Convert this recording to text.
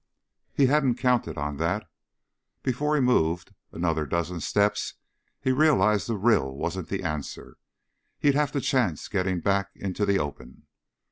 He hadn't counted on that. Before he'd moved another dozen steps he realized the rill wasn't the answer. He'd have to chance getting back into the open.